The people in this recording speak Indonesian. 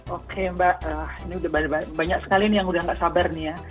oke mbak ini banyak sekali yang sudah tidak sabar